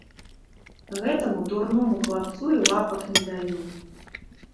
Гэтаму дурному хлапцу і лапак не даю.